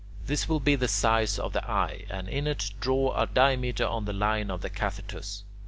This will be the size of the eye, and in it draw a diameter on the line of the "cathetus."